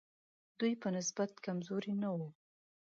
دوی په نسبت کمزوري نه وو.